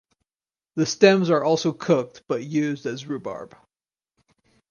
The stems are also cooked but used as rhubarb.